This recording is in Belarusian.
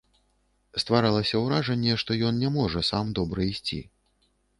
Стваралася ўражанне, што ён не можа сам добра ісці.